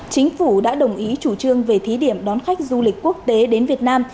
chính phủ đã đồng ý chủ trương về thí điểm đón khách du lịch quốc tế đến việt nam